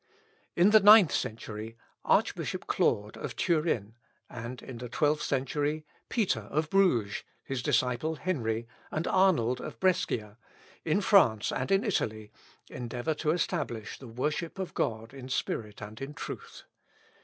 In the ninth century, Archbishop Claude of Turin, and in the twelfth century, Peter of Bruges, his disciple Henry, and Arnold of Brescia, in France and in Italy endeavour to establish the worship of God in spirit and in truth.